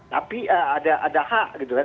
tapi ada hak gitu kan